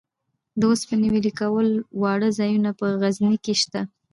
د اوسپنې ویلې کولو واړه ځایونه په غزني کې شته.